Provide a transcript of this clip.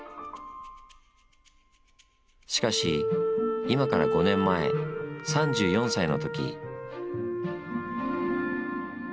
しかし今から５年前３４歳の時。